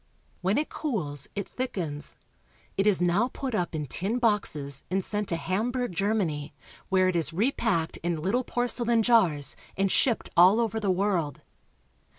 When it cools, it thickens. It is now put up in tin boxes and sent to Hamburg, Germany, where it is repacked in Httle porcelain jars and shipped all over the world.